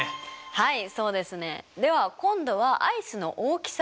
はい。